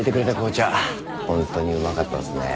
本当にうまかったですね。